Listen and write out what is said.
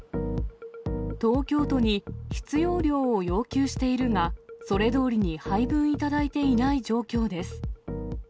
東京都に必要量を要求しているが、それどおりに配分いただいていない状況です。